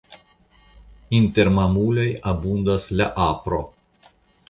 Inter mamuloj abundas la apro.